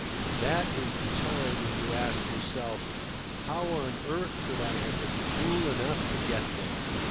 That is the time when you ask yourself, How on earth could I have been fool enough to get there?